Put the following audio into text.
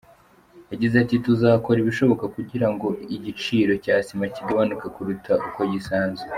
Yagize ati: “Tuzakora ibishoboka kugirango igiciro cya sima kigabanuke kuruta uko gisanzwe.